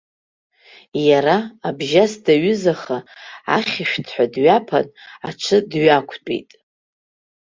Иара, абжьас даҩызаха, ахьшәҭҳәа дҩаԥан, аҽы дҩақәтәеит.